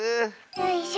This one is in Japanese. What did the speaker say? よいしょ。